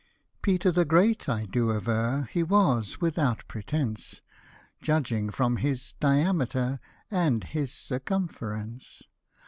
Peter the Great, I do aver, He was without pretence, Judging from his diameter, And his circumference.